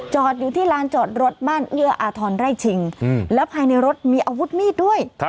อยู่ที่ลานจอดรถบ้านเอื้ออาทรไร่ชิงแล้วภายในรถมีอาวุธมีดด้วย